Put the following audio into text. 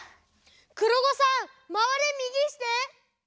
くろごさんまわれみぎして。